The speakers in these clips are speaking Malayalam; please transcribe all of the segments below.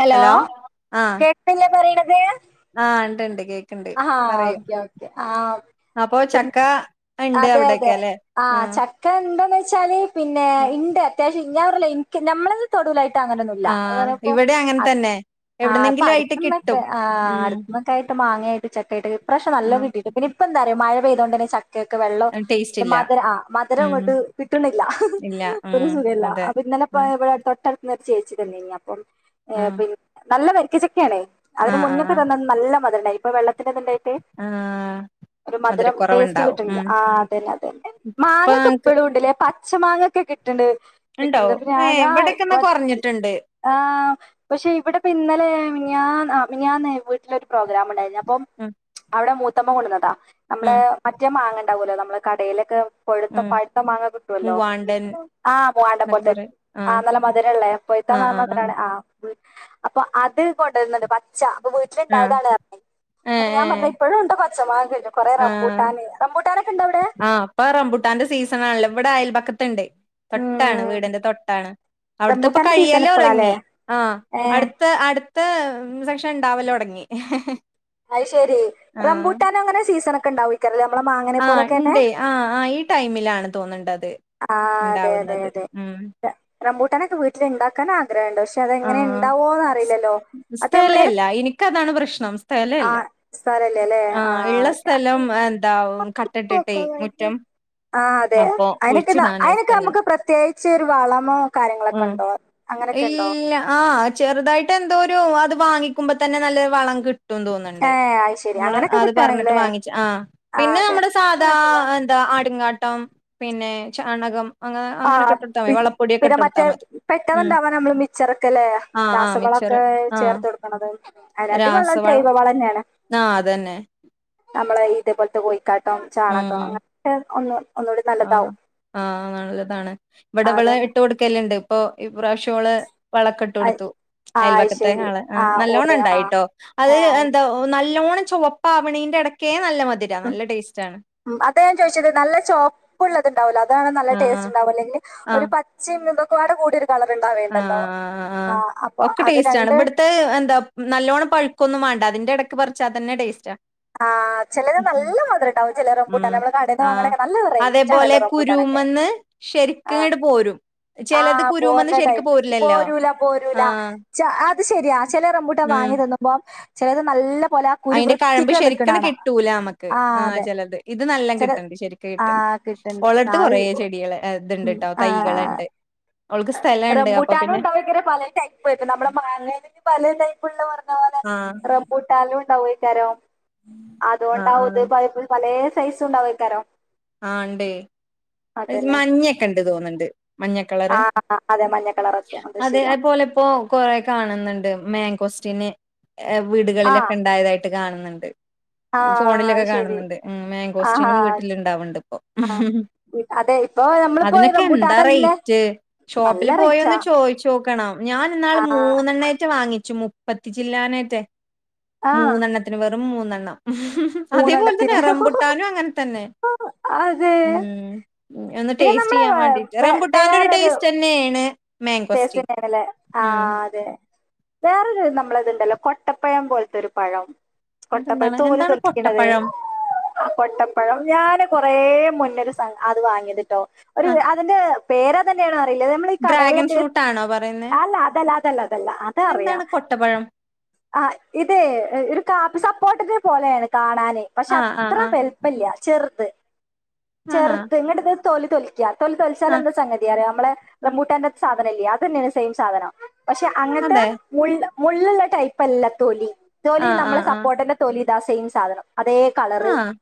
ഹലോ കേക്കില്ലേ പറയണ ആ ഉണ്ടു ണ്ട് കേ ആ ഓക്കെ ഓക്കേ ആ അപ്പൊ പി ചക്ക ഇണ്ട് അതെ അതെ അവിടെക്കെ ല്ലേ ആ ആഹ് ചക്ക ഉണ്ടെന്ന വെച്ചാല് പിന്നെ ണ്ട് അത്യാവ്യം ഞാ പറഞ്ഞിലേ നിക്ക് നമ്മളത് തൊടുല്ല. അങ്ങനൊന്നുല്ല. ആഹ് അങ്ങനപ്പോ ഇവിടെ അങ്ങനെ തന്നെ ആ് അപ്പൊ എവിടുന്നെങ്കിലും ആയിട്ട് അടുത്തിന്നൊക്കെ കിട്ടും ആ ഉം അടുത്തിന്നൊക്കെ ആയിട്ട് മാങ്ങയായിട്ട് ചക്ക ട്ട് പ്രശ നല്ല ആഹ് കിട്ടി പിന്ന ഇപ്പ എന്താറിയോ മഴ പെയതുണ്ടന്നെ ചക്ക ക്കെ വെള്ളം ടേസ്റ്റ് ഇല്ല മധുര ആ മധുരം ഉം ഇങ്ങോട്ട് കിട്ടുണുല്ല ഇല്ല ഒരു ഉം സുഖില്ല. അതെ ഇന്നലെ ആഹ് പോയ വിടെ ടു തൊട്ടടുതുന്ന് ഒരു ചേച്ചി തന്ന കയിഞ്ഞ അപ്പം ആഹ് നല്ല അതിൻ്റെ ആഹ് മുന്നത്തെ ആഹ് തന്നത് നല്ല മധുരണ്ടായി ഇപ്പൊ വെള്ളത്തിന്റെത്ണ്ടായിട്ട്. ആഹ് ഒരു മധുരം ടേസ്റ്റ് മധുരക്കൊറവുണ്ടാവും കിട്ടിണില്ല. ഉം ആ അതന്നെ അതന്നെ ഇപ്പൊ മാങ്ങക്ക ഞങ്ങക്ക് ഇപ്പഴും ഉണ്ടല്ലേ? പ സ് മാങ്ങൊക്കെ കി ണ്ട് ഇണ്ടോ കിട്ടണ്ട് ഏഹ് ഇവിടെക്കെന്നാ കൊറഞ്ഞിട്ടുണ്ട് പക്ഷെ ഇവിടെ പിന്നെ ങ്ങെ ഞാൻ ഞാനെ വീട്ടിലൊരു പ്രോഗ്രാം ഉണ്ടായിരുന്നു. അ ഉം അവിടെ മൂത്തമ്മ കൊണ്ടുവന്നതാ. നമ്മള് ഉം മറ്റേ മാങ്ങ ഉണ്ടാാവുല്ലോ നമ്മള് കടയിലൊക്കെ പൊഴുത്ത ഉം പഴത്ത മാങ്ങ കിട്ടുവല്ലോ? മൂവാണ്ടൻ ആ പോവാണ്ട എന്നൊക്കെ പോറത്ത്. പറയും ആ ആഹ് നല്ല മധുരള്ള പയിത്താ ആഹ് മാം ആഹ് ആഹ് മധുരള്ള ആ വിട്ട് അപ്പൊ അത് കൊണ്ടുവരുന്നുണ്ട്. പച്ച അപ്പൊ വീട്ടില് ആഹ് ഇണ്ടായതാണ്. ഞ്ഞത് അപ്പൊ ഞാൻ പറഞ്ഞ് ഇപ്പോഴും ഇ [unintelligible] ആ ആ ഇപ്പൊ റംബുട്ടാന്റെ സീസൺാണല്ലേ? ഇവിടെ അയൽപക്കത്ത് ണ്ട്. തൊട്ടാണ്, ഉം വീടിൻ്റെ തൊട്ടാണ്. അവിടുത്തെപ്പ റംബൂട്ടാന്റെ സീസൺ കഴിയല്ലേ ഇപ്പളാല്ലേ റങ്ങി ആ ഏ അടുത്ത അടു ത്തെ സെക്ഷൻ ഇണ്ടാവല്ലോ തുടങ്ങി. ഹ് ഹ് അത് ശെരി, റംബൂട്ടാനങ്ങനെ സീസൺ ഒക്കെ ഇണ്ടാവോ? ക്കറിയ ആ ഉണ്ട്. ആ ആ ഈ ടൈമിലാണ് തോന്നുണ്ടത്. ആ അതെ അതെ അതെ റബൂട്ടനൊക്കെ വീട്ടിൽ ഇണ്ടാക്കാന ആഗ്രഹണ്ട്. പക്ഷെ അതെങ്ങനെ ആഹ് ഉണ്ടാവോന്ന് അറിയില്ലല്ലോ? അത് നമ്മള ഇങ്ങനെ ൻ്റെ അതാണ് പ്രശ്നം. സ്ഥലം ല്ല സ്ഥലല്ലേ അല്ലേ ആ ഇള്ള സ്ഥലം എന്താ കട്ട ഇട്ടിട്ട് മുറ്റം. ആ അതെ. അപ്പൊ അയിനൊക്കെ കുഴിച്ചിടാനൊരു അയിനനൊക്കെ സ്ഥലം നമുക്ക് പ്രത്യേകിച്ച് ഒരു വളമോ? കാര്യങ്ങളൊക്കെ ഉം ഉണ്ടോ. അങ്ങനെ ഇല്ല ആ ചെറുതായിട്ട് എന്തോ ഒരു അത് വാങ്ങിക്കുമ്പോ തന്നെ നല്ല വളം കിട്ടു റ്റും ഏ തോന്നണ്ടേ? അത് ശരി നമ്മള് അങ്ങനെയൊക്കെ അത് പറഞ്ഞിട്ട് കിട്ടുകയാണെങ്കിലേ വാങ്ങിച്ചു. ആ ആ പിന്നെ അതെ നമ്മുടെ സാധാ ഇങ്ങട്ട് വാ എന്താ ആട്ടുങ്ങാ ട്ടം പിന്നെ ചാണകം. ആ അങ്ങനൊക്കെ ഇട്ടൊടുത്താ മതി വളപ്പൊടിയൊക്കെ പിന്നെ ഇട്ടൊടുത്താ മറ്റേ മതി. ഉം പെട്ടെന്നുണ്ടാവാ നമ്മള് മിച്ചറക്കല്ലേ? ആഹ് ആഹ് രാസവളം. മിച്ചറ് ക്കെ ആഹ് ചേർത്ത് കൊടുക്കണത്. അരാട്ടി വെള്ളം ചെയവ വള ന്നെയാണ്. ആഹ അതന്നെ. നമ്മള് ഇതേപോലത്തെ കോഴിക്കാട്ടം, ചാണകം അങ്ങന ഒന്ന് ഒന്നുകൂടി ആ നല്ലതാവും ആ നല്ലതാണ് ഇവിടെ ആ ഇവള് അതന്നെ ഇട്ട് കൊടുക്കേ ണ്ട് ഇപ്പൊ ഈ പ്രാവശ്യം ള് വളക്കെട്ട് അത്- കൊടുത്തു. ആ അത് അയൽപക്കത്തെ ശരി ആള്, ആ നല്ലോണം ഓട് ആ ഉണ്ടായിട്ടോ. അത് ഏ ശരി എന്താ നല്ലോണം ചുവപ്പാവണിന്റെ ഇടക്ക ഉ അത ഞാൻ ചോയിിച്ചത് നല്ല ചോപ്പ ഉപ്പ ഉള്ളത് ഉണ്ടാവല്ല അതാണ് നല്ല ആഹ് ടേസ്റ്റ് ഉണ്ടാവല്ല അല്ലെങ്കിൽ ഒരു ആഹ് പച്ചയും ഇൊക്കൊട് കൂടി ആഹ് േണ്ടല്ലോ ആഹ് ആഹ് ആ അപ്പൊ ഒക്കെ അത് ടേസ്റ്റ് ആണ് രണ്ട് ഇവിടുത്തെ എന്താ നല്ലോണ്ണം പഴുക്കൊന്നും വേണ്ട അതിന്റെ ഇടയ്ക്ക് പററിച്ചാ തന്നെ ടേസ്റ്റണ് ആഹ് ചിലത് നല്ല മാത്രം ഉണ്ടാവും ചില റബൂട്ടെ ഉം നമ്മള് കടേന്ന് വങ്ങണക്കെ നല്ല റേറ്റ ആണ്ല്ല റംബൂട്ടാനക്കെ ശരിക്കുംട് പോരും ആ ചിലത് കുരു ബോറിന്റെ ശ പോരൂല പോരല അത് ശരിയാ ചിലർറമ്പൂട്ട ഉം വാങ്ങി തന്നുമ്പോം ചിലത് നല്ല പോലെ കുരുവൃ പഴമ്പ് ശരിക്ക കിട്ടൂല നക്ക് ആ അതെ ചത് ഇത് നല്ല ചില കിട്ടണ്ട് ശരിക്ക ആ കിട്ട കിട്ടുന്നുണ്ട് ആ, കുറ അത് ചെടികൾ ഇണ്ട് ഉം. കേട്ടോ തൈകൾു റബൂട്ടാനും ഉണ്ടാവക്ക പല ടൈപ്പ് ഇപ്പ നമ്മുടെ മങ്ങയിലക്ക് പല ടൈപ്പുള്ള പറഞ്ഞ പോലെ ആഹ് രപോട്ടാല ണ്ടക്കാരോ ആഹ് അതൊണ്ടാവത് ആഹ് പല സൈസ് ഉണ്ടാവക്കാരോ ആ ഉണ്ട്േ അത് മഞ്ഞക്കെ ഉണ്ട് തോന്നുന്നുണ്ട് മഞ്ഞക്ക ആ അതെ മഞ്ഞ കളറൊക്കെ അത് അ അ ശരിയാ അ കോസ്റ്റിന് ആ വീടുകളിലൊക്കെ ഉണ്ടായതായിട്ട് കാണുന്നുണ്ട് ആ ഫോണിലൊക്കെ ശരി കാണുന്നുണ്ട് ഉ ആഹാ മാങ്കോസ്റ്റിനും വീട്ടില ഇണ്ടാവണ്ട് ഇപ്പൊ ഇ- അതെ ഇപ്പൊ നമ്മളിപ്പോ അതിനൊക്കെ എന്താ റംബൂട്ടാനല്ലേ റേറ്റ് ഷോപ്പിൽ നല്ല റേറ്റാ പോയോന്ന് ചോദിച്ചോ ോക്കണം ഞാൻ ഇന്നാള് ആ മൂന്നെണ്ണേറ്റ വാങ്ങിച്ചു മുപ്പത്തി ചില്ലാനായിറ്റെ ആ മൂന്നെണ്ണത്തിന് വെറും മൂന്നെണ്ണം ഉ അതേപോലെ തന്നെ മൂന്നെണ്ണത്തിന് എറംപുട്ടാനും അങ്ങനെ തന്നെ അതെ ഉ ഉ ഒന്ന് പിന്നെ ടേസ്റ്റ് നമ്മളെ ചെയ്യാൻ വേ- വേണ്ടിട്ട് റംമ്പുട്ടാൻന്റെ ഒരു ടേസ്റ്റ് തന്നെയാണ് കേലെ ആ അതെ വേറൊരു നമ്മളത്ണ്ടല്ലോ കൊട്ടപ്പഴം പോലത്തെരു പഴം കൊട്ടപ്പഴം അതെന്താണ് തോലി എന്താണ് തൊലിക്കണതേ കൊട്ടപ്പഴം കൊട്ടപ്പഴം ഞാന് കൊറ മുന്ന അത് വാങ്ങതിട്ടോ ആ അതിന്റെ പേര്തെണോ അറിയില്ല നമ്മൾ ഈ കടകളില ഡ്രാഗൺ ഫ്രൂട്ട് ആണോ പറയുന്നേ അല്ല അതല്ല അതല്ല അതല്ല അതറിയാം എന്താണ് കൊട്ടപ്പഴം ആ ഇതെ കാപ്പ കോട്ടത്തെ പോലെയാണ് കാണാാന് പക്ഷെ ആ ആ അത്ര ആ വലുപ്പില്ല ചെറുത് ആഹാ ചെറുത്ത് നിങ്ങട ഇത് തൊലി തൊലിക്ക തൊലി ആ തോലിച്ചാലൽ എന്താ സംഗതി അറിയ നമ്മെ ആ റമൂട്ട സാധനല്ലേ അത് തന്നെയാണ് സെയിം സാധനം പക്ഷെ അങ്ങനത്തെ അതെ ഉള് മുള്ളുള്ള ടൈപ്പ്ല്ല തൊലി ആ തോലി ആ നമ്മളെ ആ സപ്പോർട്ടിന്റെ തൊലി ഇതാസയും സാധനം അതേ കളറ് ആ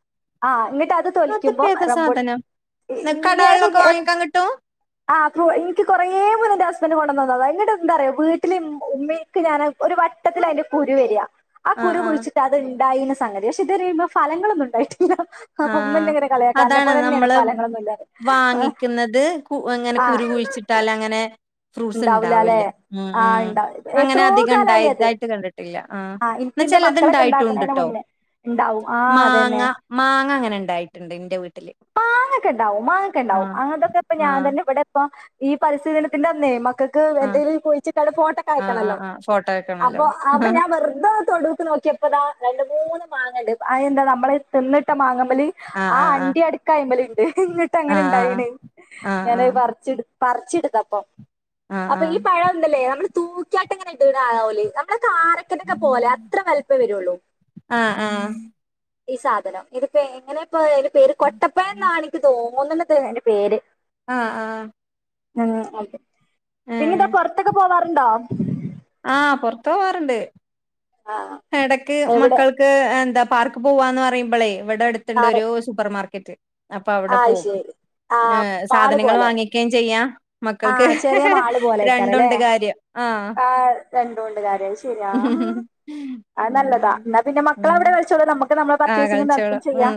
ആ ഇങ്ങിട്ട് അത് തോലിക്കുമ്പോം അതിപ്പേതാ റമ്പോൾ സാധനം ന്ന് ഇങ്ങ അത് കടകളിലൊക്കെ വാങ്ങിക്കാൻ കിട്ടും ആ എനിക്ക് [unintelligible] മുന്നേ എന്റെ ഹസ്ബന്ഡ് കൊണ്ടുവ വന്ന അ എന്നിട്ട് എന്താറയാ വീട്ടില് ഉമ്മയ്ക്ക് ഞാൻ ഒരു വട്ടത്തിൽ അതിന്റെ കുരു വരിക ആ കുര കുഴിച്ചിട്ട് അത് ഉണ്ടായിുന്ന സംഗതി പക്ഷെ ഇത്ിയുമ്പോ ഫലങ്ങളൊന്നും ഉണ്ടായിട്ട് [unintelligible] ആഹ അതാണ് തന്നെയാണ് നമ്മള് ഫലങ്ങളൊന്നും ഇല്ലാതെ വാങ്ങിക്കുന്നത് ഇങ്ങനെ ആ കുരു കുഴിച്ച ചിട്ടാല അങ്ങനെ ഫ്രൂട്ടസ് ഉണ്ടാവൂല അല്ലേ ഉണ്ടാവില്ല ഉ ആ ഉ ഉണ്ടാവും അങ്ങനെ എത്രയോ അധികം കാലായി അത് ഇണ്ടായതായിട്ട് കണ്ടിട്ടില്ല ആ എനിക്ക് എന്നാ എന്റെ ചിലത് മക്കളൊക്കെ ഉണ്ടാക്കണേന് ഇണ്ടായിട്ടുംണ്ട്ട്ടോ മുന്നേ ഉണ്ടാവും ആ അതന്നെ മാങ്ങ അങ്ങനെ ഉണ്ടായിട്ടുണ്ട് എന്റെ വീട്ടില് മാങ്ങൊക്കെണ്ടാവും മാങ്ങൊക്കെ ഉണ്ടാവും ആഹ് അങ്ങനത്തെൊക്കെ ഇപ്പ ഞാൻ ആഹ് തന്നെ ഇവിടെപ്പ ഈ പരിസ്ഥിത്തിന്റെ നിയമ മക്കക്ക് ആഹ് എന്തെങ്കിലും പോഴിച്ചിട്ട ഫോട്ടൊക്കെ ആഹ് അയക്കണല്ലോ ആഹ് ആഹ് ഫോട്ടോ വെക്കണല്ലോ അപ്പൊ അപ്പൊ ഞാൻ വെറുതെ തൊടുക്ക് നോക്കിയപ്പോതാ രണ്ട മൂന്ന് മാങ്ങണ്ട് അ എന്താ നമ്മൾ തിന്നിട്ട മാങ്ങമേൽ ആഹ് ആ ആഹ് ആഹ് അണ്ടി അടുക്കായ്മല എന്നിട്ട് അങ്ങനെ ആഹ് ഇണ്ടായിന് ആഹ് ഞാൻ അത് ആഹ് പറച്ചി പറിച്ചെടുത്തപ്പൊ ആഹ് ആഹ് അപ്പൊ ഈ പഴംന്തല്ലേ നമ്മൾ തൂക്കിയാട്ട് അങ്ങനെ ഇണ്ടുന്നത് കാണാം ഓല് നമ്മളെ കാറക്കന്റൊക്കെ പോലെ അത്ര വലപ്പം വരുള്ളൂ ആഹ് ആഹ് ആഹ് ഈ സാധനം ഇതിപ്പോ എങ്ങനെ ഇപ്പൊ അതിന്റെ പേര് കൊട്ടപ്പഴം എന്നാണ് എനിക്ക് തോന്നത് അയിന്റെ പേര് ആ ആ ഉം ഓക്കെ പിന്നന്താ പുറത്തൊക്കെ പോവാറുണ്ടോ ആ പൊറത്തു പോവാറുണ്ട് ആ ഇടക്ക് എവിടെ മക്കൾക്ക് എന്താ പാർക്ക് പോവാന്ന് പറയുമ്പോളേ ഇവിടെ ആ അടുത്തുണ്ട് ഒരു സൂപ്പർമാർക്ക അപ്പൊ അവിടെ ആ, പോകും ശരി ആ ഏ മാള് സാധനങ്ങൾ പോലെ വാങ്ങിക്കുകയും ചെയ്യാ ആ മക്കൾക്ക് ചെറിയ മാള് പോലെ ആയിക്കാറല്ലേ രണ്ടുണ്ട് കാര്യം ആ [inaudible] ആഹ് രണ്ടുണ്ട് കാര്യം അത് ശരിയാ അത് നല്ലതാ എന്നാ പിന്നെ മക്കളവിടെ കളിച്ചോളും നമ്മ ആ കളിച്ചുവോളും ഉം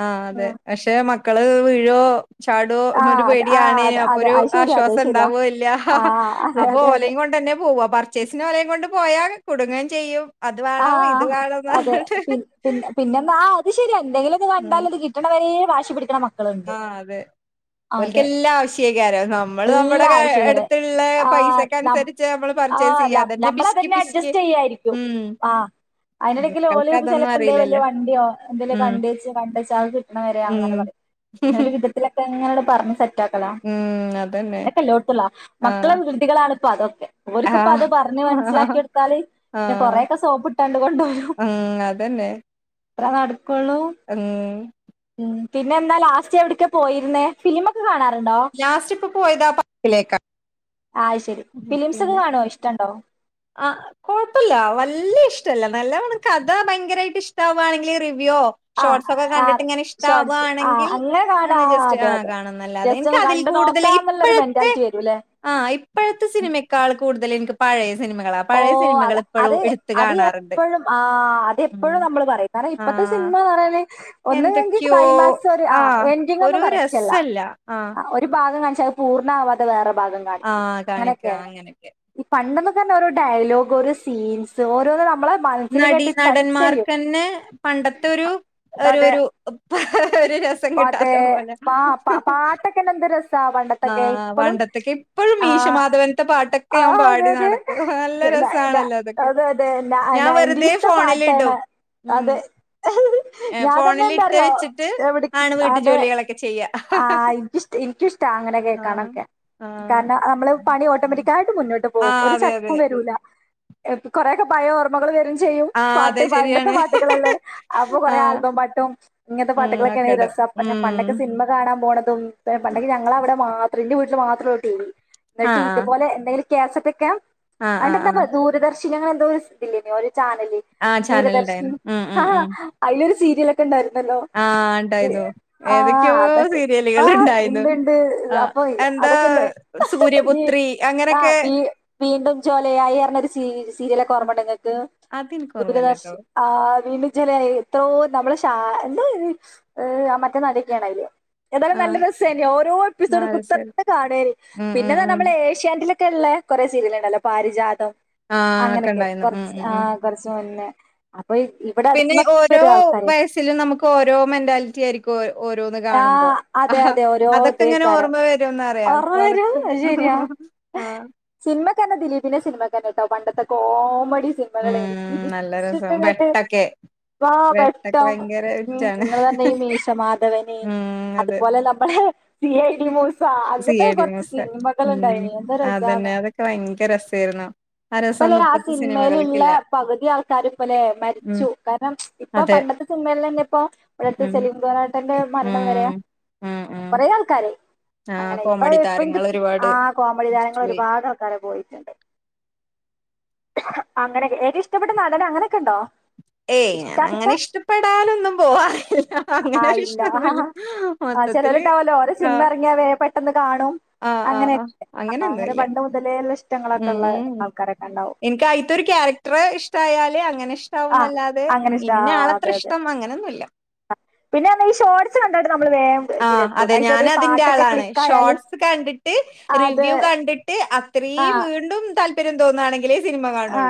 ആ അതെ ഉം പക്ഷെ മക്കൾ വീഴോ ചാടോ ആഹ് എന്നൊരു അത് ആഹ് അത് പേടിയാണേനും അപ്പൊ അതെ ഒരു അത് ശരിയാ അത് ആശ്വാസം ശരിയാ ഉണ്ടാവുവയില്ല ആഹ് അതെ അപ്പൊ അതെ അതെ ഓലയും കൊണ്ട് തന്നെ പോവാ പർച്ചേസിന് ഓലയും കൊണ്ട് പോയാ കുടുങ്ങം ചെയ്യും അത് വേണോ ഇത് ആഹ് വേണംന്ന് പറഞ്ഞിട്ട് എന്ന ആ അത് ശരി എന്തെങ്കിലും അത് കണ്ടാലൽ അത് കിട്ടണ വരെ വാശി പിടിക്കണ മക്കള ആ അതെ ഓൽക്കെല്ലാം ആവശ്യക്കാരം നമ്മൾ നമ്മുടെ എല്ലാ ആവശ്യകരെ അടുത്തുള്ള പൈസക്കനുസരിച്ച് നമ്മൾ ആ അല്ല നമ്മൾ അതന്നെ അഡ്ജസ്റ്റ് ചെയ്യായിരിക്കും ഉം ആ അതിനിടയ്ക്ക് ഓല് മക്കൾക്ക് അതൊന്നും ചിലപ്പോ എന്തെ വലിയ അറിയില്ലല്ലോ വണ്ടിയോ എന്തെലോക്കെ ഉം കണ്ട് വെച്ച് കണ്ട് വെച്ച് അത് കിട്ടണവര അങ്ങനെ ഉം പറയും പിന്നെ ഒരു വിധത്തിലൊക്കെ ഇങ്ങനെ പറഞ്ഞ്‌ സെ സെറ്റാക്കലാ ഉം അതന്നെ അതൊക്കെല്ലോടുത്തുള്ള ആഹ് മക്കളും വികൃതികളാണിപ്പം അതൊക്കെ അവർക്കിപ്പം അത് ആഹ് പറഞ്ഞ് മനസ്സിലാക്കികൊടുത്താൽ പിന്നെ ആഹ് കൊറെ സോപ്പിട്ടണ്ട് കൊണ്ടോരും ഉം അതന്നെ അത്ര നടക്കുള്ളൂ ഉം ഉം പിന്നെ എന്താ ലാസ്റ്റ് എവിടെക്കാ പോയിരുന്നെ ഫിലിമൊക്കെ കാണാൻ ലാസ്റ്റിപ്പം പോയതാ പാര്‍കോകിലക്കാണ് അത് ശരി ഫിലിംസ് ഒക്കെ കാണോ ഇഷ്ട്ടണ്ടോ ആ കുഴപ്പമില്ല വല്യഷ്ട്ടല്ല നല്ലവണ്ണം കഥ ഭയങ്കരമായിട്ട് ഇഷ്ടാവാണെങ്കിൽ റിവ [unintelligible] ആഹ് ഷോർട്സ് കണ്ടിട്ട് ആഹ് ഇങ്ങനെ ഷോർട്സ് ആഹ് ഇഷ്ടവാണെങ്കിൽ അങ്ങനെ കാണാ ആ, ജസ്റ്റ് അതെ അതെ കാണുന്നലാതെ ജസ്റ്റ് ഒന്ന് അതിൽ കണ്ടു കൂടുതൽ നോക്കാന്നുള്ളൊരു ഇപ്പോഴത്തെ മെന്റാലിറ്റി വരൂല്ലേ ആ ഇപ്പോഴത്തെ സിനിമക്കാൾ കൂടുതൽ എനിക്ക് പഴയ സിനിമ ഓ അത് അത് അത് കാണാറുണ്ട്. എപ്പോഴും ആ അത് എപ്പോഴും ഉം. നമ്മൾ പറയും കാരണം ആ ഇപ്പത്തെ ഇപ്പം സിനിമ പറയനേ ഒന്നുകില്‍ എന്തൊക്കെയോ ക്ലൈമാക്സ് ഒരു ആ എന്‍ഡിങ് ഒന്നും ഒരു കറക്റ്റ് അല്ല രസല്ല ആ ഒരു ഭാഗം കാണിച്ച് അത് പൂർണ്ണമാവാതെ വേറെ ഭാഗം ആ കാണിക്കും കാണിക്ക അങ്ങനെയൊക്കെയാണ് അങ്ങനെയൊക്കെ. ഈ പണ്ട് ഒരു ഡയലോഗ് ഒരു സീൻസ് ഓരോന്ന് നമ്മളെ മനസ്സില് നടി കേട്ട് ടച്ച് നടന്മാർക്ക് ചെയ്യും. തന്നെ പണ്ടത്തെ ഒരു അതെ ഒരു ഒരു രസം അതെ കിട്ടാത്ത പോലെ. പാ പാട്ടൊക്കെനെന്ത് രസമാണ് പണ്ടത്തൊക്കെ ആഹ് ഇപ്പോളും പണ്ടത്തൊക്കെ ഇപ്പഴും ആ... മീശമാധവൻത്തെ പാട്ടൊക്കെ ആ ഞാൻ അതെ പാടി അതെ നടക്കും. നല്ല രസാണല്ലോ അതൊക്കെ. അതെ [unintelligible] ഞാൻ വെറുതെ നയന്റീസ്ത്തെ പട്ടാണ് ഫോണിലിടും. ഉം അതെ ഏഹ് ഞാൻ തന്നെ ഫോണിലിട്ട് എന്താറിയോ വെച്ചിട്ട് എവിടെ ആണ് വീട്ടു അതെ ജോലികളൊക്കെ ചെയ്യാ. ആ എനിക്കിഷ്ട എനിക്കിഷ്ടാ അങ്ങനെ ആഹ് കേക്കാനൊക്കെ ആഹ് കാരണം നമ്മൾ പണി ഓട്ടോമാറ്റിക്കായിട്ട് മുന്നോട്ട് പോകും. ആഹ് ഒരു അതെ ചട്ടപ്പും അതെ. വരൂല കൊറെയൊക്കെ പഴയ ഓർമ്മകൾ വരും. ചെയ്യും. ആഹ് പണ്ട് അതെ പണ്ടത്തെ ശരിയാണ്. പാട്ടുകളല്ലേ അപ്പൊ കുറെ ആഹ് ആൽബം പാട്ടും ഇങ്ങനത്തെ ഉം പാട്ടുകളൊക്കെ ഒക്കെടും. [unintelligible] പിന്നെ ഉം പണ്ടൊക്കെ സിനിമ കാണാൻ പോണതും പണ്ടൊക്കെ ഞങ്ങളവിടെ മാത്രം എന്റെ വീട്ടിൽ മാത്രമുള്ളു ടി വി എന്നിട്ട് ആഹ് ആഹ് ഇതുപോലെ എന്തെങ്കിലും കാസറ്റൊക്കെ ആഹ് ആഹ് ആഹ് അന്നെന്താ ദൂരദർശിനി എന്തോ ഇല്ലെന്നോ ചാനല് ആ ദൂരദർശൻ. ചാനലുണ്ടായിരുന്നു. ഉം, ആ ഉം, ഉം. അയിലൊരു സീരിയലൊക്കെ ഉണ്ടായിരുന്നല്ലോ. ആ ഇണ്ടായിരുന്നു. ആ ഏതൊക്കെയോ അതൊക്കെ ആഹ് സീരിയലുകളുണ്ടായിരുന്നു. ഇണ്ട് ഇണ്ട് ആ അപ്പൊ എന്താ അതൊക്കെ ഇണ്ട്. സൂര്യപുത്രി ആ അങ്ങനൊക്കെ വീണ്ടും ജ്യലയായി പർഞ്ഞ ഒരു സീരിയലക്കെ അ ഓർമ്മണ്ടോ ങ്ങക്ക്. അതെനിക്ക് ദൂരദർശ ഓർമ്മയില്ലട്ടോ. ആ വീണ്ട ചില എത്രോ ശാ എന്താ ആ മറ്റേ നടിക്കേണ അയ്ല് ഏതായാലും ആ നല്ല രസയ്നി ഓരോ ആ എപ്പിസോഡും അത് ശരി. കുത്തർന്ന് കാണുയർന്ന്. ഉം, ഉം, പിന്നൊന്ന ഉം. നമ്മള് ഏഷ്യനെയ്റ്റി ഒക്കെള്ള കുറെേ സീരിയൽ ണ്ടല്ലോ. പാരിജാതം ആ അങ്ങനെയൊക്കെ ഒക്കെണ്ടായിരുന്നു. ഉം, കുറച്ച് ഉം, ആ ഉം. കുറച്ച് മുന്നേ അപ്പൊ ഇവിടെ പിന്നെ അടുത്ത്ന്നൊക്കെ ഓരോ വരും ആൾക്കാര് വയസ്സിലും നമുക്ക് ഓരോ മെന്റാലിറ്റിയായിരിക്കും ഓരോന്ന് ആ കാണുമ്പോ. അതെ അതെ ഓരോ അതൊക്കെ ഇങ്ങനെ ഇതേക്കാരം ഓർമ്മ വരുന്നറിയാം, ഓർമ്മ ഇപ്പൊ വരും അതൊക്കെ അത് ശെരിയാ ആഹ സിനിമക്കന്നെ ദിലീപിനെ സിനിമയ്ക്കന്നെട്ടോ പണ്ടത്തെ കോമഡി ഉം നല്ല രസം. [unintelligible] വെട്ടൊക്കെ ആ വെട്ടൊക്കെ വെട്ടം ഭയങ്കര ഉ ഹിറ്റാണ്. നിങ്ങൾ പറഞ്ഞ മീശമാധ വന് ഉം അതെ. അതുപോലെ നമ്മുടെ സിഐ ഡി മൂ സ സി അങ്ങനത്ത ഐ ഡി കൊർച് മൂസ ഉം സിനിമകൾണ്ടായിനി എന്തരസാണ്. അതന്നെ അതൊക്കെ ഭയങ്കര രസായിരുന്നു ആ ഇപ്പല്ലേ രസൊന്നും ആ ഇപ്പത്തെ സിനിമയിലുള്ള സിനിമകൾക്കില്ല പകുതി ആൾക്കാർ ഇപ്പലെ ഉം മരിച്ചു. കാരണം ഇപ്പൊ അതെ പണ്ടത്തെ ത്തെ സിനിമൽ തന്നെപ്പോ ഇവിടത്തെ ഉം സലീകുമാറെട്ടന്റെ മരണം വരെ ഉം ഉം ഉം കൊറെ ആൾക്കാര് ആ അങ്ങനെ ഇപ്പൊ കോമഡി ഇപ്പ താരങ്ങൾ ഒരുപാട് ആ കോമഡി മരിച്ചു താരങ്ങൾ പോയി ഒരുപാട് ആൾക്കാര പോയിട്ടുണ്ട്. അങ്ങനൊക്കെ. ഏതു ഇഷ്ടപ്പെട്ട നടൻ അങ്ങനെയൊക്കെണ്ടോ? ഏയ് ഞാൻ അങ്ങനെ ഇഷ്ടപ്പെടാനൊന്നും പോവാറില്ല. ഹ ഹ ആഹ ഇല്ല ആ ആ ചെലോരിണ്ടവല്ലോ ഓരെ ആ സിനിമ ഇറങ്ങിയാ വേ പെട്ടെന്ന് കാണും, ആ ആ ആ അങ്ങനെയൊക്കെ ആ അങ്ങനെ അങ്ങനെയൊന്നുല്ല പണ്ട് മുതലേള്ള ഇഷ്ടങ്ങളൊക്കെ ഉം ഉള്ള ഉം ആൾക്കാരെ കാ എനിക്ക് അയ്ത്തെ ഒരു ക്യാരക്ടറെ ഇഷ്ടായാല് അങ്ങനെ ആ ഇഷ്ടമാവൊന്നല്ലാതെ അങ്ങനെ ഇഷ്ടം ഇന്ന ആ ആളത്ര അതെ അതെ ഇഷ്ടം അങ്ങനൊന്നുല്ല്യ. പിന്നെ ഈ ഷോർട്സ് കണ്ട ആ അതെ ഞാൻ അതിന്റെ ആളാണ്. ക്ലിക്ക് ആയാല് ഷോർട്സ് കണ്ടിട്ട് അത് റിവ്യൂ കണ്ടിട്ട ആ അത്രയും വീണ്ടും താല്പര്യം തോന്നുകയാണെങ്കില് ആ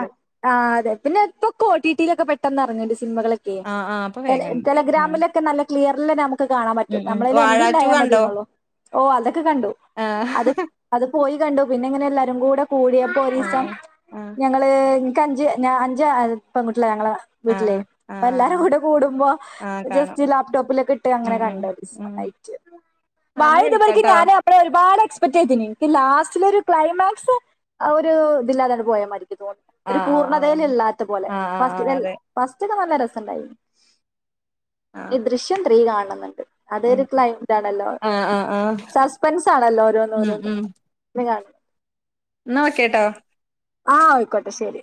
ആ അതെ പിന്നെ ഇപ്പൊ ഓട്ടിടിയിലൊക്കെ പെട്ടെന്ന് ഇറങ്ങണ്ട്. സിനിമകളൊക്കെ ആഹ് ആഹ് അപ്പൊ വേഗം കണ്ട്. ഉം. ടെലഗ്രാമിലൊക്കെ നല്ല ക്ലിയർൽ നമുക്ക് കാണാൻ ഉം പറ്റും ഉം. നമ്മളെല വാഴ എംബി ടു ണ്ടായൽ കണ്ടോ? മതിയന്നൊള്ളു. ഓ അതൊക്കെ കണ്ടു. ആഹ്. അത് അത് പോയി കണ്ടു. പിന്നെ ഇങ്ങനെ എല്ലാരും കൂടെ കൂടിയപ്പോ ആഹ് ഒരീസം ആഹ്. ഞങ്ങള് നക്ക് അഞ്ച് അഞ്ച് ഇ പെൺകുട്ടികൾ ഞങ്ങള ആഹ് വീട്ടിലേ, ആഹ് ആഹ്. അപ്പൊ ആഹ് എല്ലാരും ആഹ്. കൂടെ കൂടുമ്പോ ആഹ് കാണാം. ജസ്റ്റ് ലാപ്ടോപ്പിലൊക്കെ ഇട്ട് അങ്ങനെ ഉം ഉം. കണ്ടത്. ഉം. ആഹ് വാഴ ന്നാ ഇതുപോൽക്ക് വിളിക്കാട്ടോ. ഞാന് അവിടെ ഒരുപാട് എക്സ്പെക്ട് ചെയ്‌തീനി. എനിക്ക് ലാസ്റ്റില ഒരു ക്ലൈമാക്സ് ആ ഒരു ഇതില്ലാതാണ്ട് പോയൽ മതിരി ഒരു ആഹ് ആഹ് ആഹ്. പൂർണതെതില്ലാത്ത പോലെ ആഹ് ആഹ് ഫറ്റ് ആഹ് അതെ. ഫസ്റ്റോക്കെ നല്ല രസ- ണ്ട്. ഈ ആഹ്. ദൃശ്യം ത്രീ കാണണന്നുണ്ട്. ഉം. അതരു ക്ലൈ ഇതാണല്ലോ. ആഹ് ആഹ് ആഹ്. സസ്പെൻസ് ആണല്ലോ ഓരോന്ന് ഓരോന്ന് കാണ എന്നാ വക്കാട്ടാ. ആഹ ആയിക്കോട്ടെ ശരി.